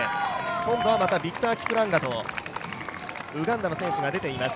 今度はまたビクター・キプランガトウガンダの選手が出ています。